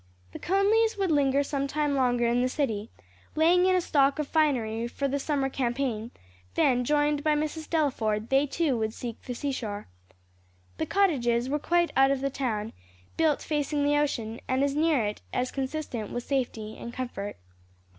The Conlys would linger some time longer in the city, laying in a stock of finery for the summer campaign, then, joined by Mrs. Delaford, they too would seek the seashore. The cottages were quite out of the town, built facing the ocean, and as near it as consistent with safety and comfort.